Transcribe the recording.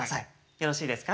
よろしいですか？